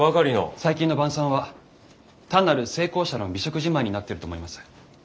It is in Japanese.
最近の「晩餐」は単なる成功者の美食自慢になっていると思います。